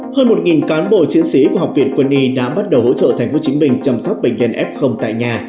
hơn một cán bộ chiến sĩ của học viện quân y đã bắt đầu hỗ trợ tp hcm chăm sóc bệnh nhân f tại nhà